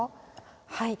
はい。